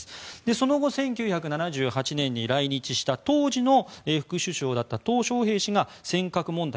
その後、１９７８年に来日した当時の副首相だったトウ・ショウヘイ氏が尖閣問題